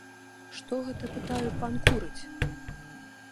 Што гэта, пытаю, пан курыць?